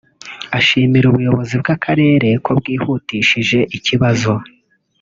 ashimira ubuyobozi bw’akarere ko bwihutishije ikibazo